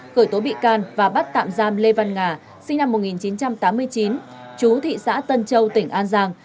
khởi tố bị can và bắt tạm giam lê văn nga sinh năm một nghìn chín trăm tám mươi chín chú thị xã tân châu tỉnh an giang